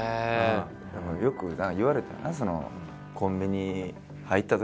よく言われたよな。